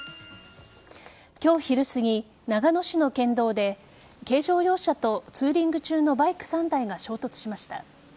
今日昼すぎ、長野市の県道で軽乗用車とツーリング中のバイク３台が衝突しました。